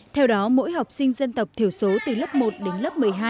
theo đó mỗi học sinh dân tộc thiểu số từ lớp một đến lớp một mươi hai